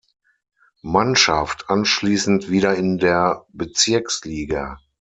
Mannschaft anschließend wieder in der Bezirksliga.